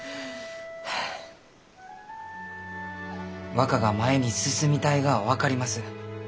若が前に進みたいがは分かります。